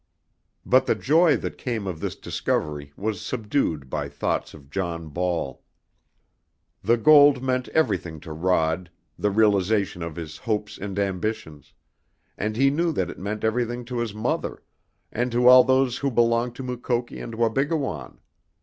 But the joy that came of this discovery was subdued by thoughts of John Ball. The gold meant everything to Rod, the realization of his hopes and ambitions; and he knew that it meant everything to his mother, and to all those who belonged to Mukoki and Wabigoon.